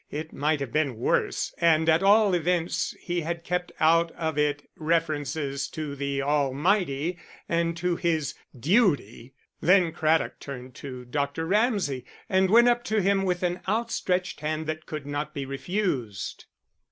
It might have been worse, and at all events he had kept out of it references to the Almighty and to his duty! Then Craddock turned to Dr. Ramsay, and went up to him with an outstretched hand that could not be refused.